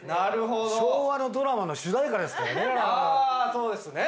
そうですね。